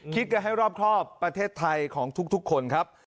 คิดกันให้รอบครอบประเทศไทยของทุกคนครับ